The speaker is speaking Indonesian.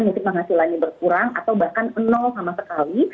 mungkin penghasilannya berkurang atau bahkan nol sama sekali